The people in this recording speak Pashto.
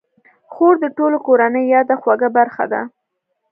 خور د ټولې کورنۍ یاده خوږه برخه ده.